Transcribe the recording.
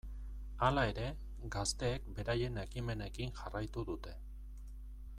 Hala ere, gazteek beraien ekimenekin jarraitu dute.